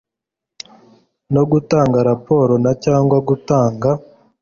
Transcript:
no gutanga raporo na cyangwa gutanga